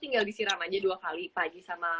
tinggal disiram aja dua kali pagi sama